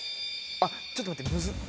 あっちょっと待ってムズっ。